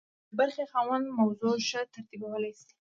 د بي برخې خاوند موضوع ښه ترتیبولی شي.